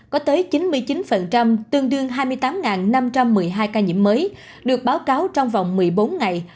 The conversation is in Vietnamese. có tới chín mươi chín tương đương hai mươi tám năm trăm một mươi hai ca nhiễm mới được báo cáo trong vòng một mươi bốn ngày